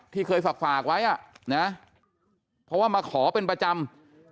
ที่เคยฝากไว้เพราะว่ามาขอเป็นประจำ